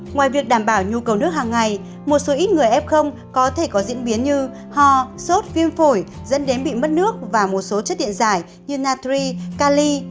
ngoài việc đảm bảo nhu cầu nước hàng ngày một số ít người f có thể có diễn biến như ho sốt viêm phổi dẫn đến bị mất nước và một số chất điện giải như naturi cali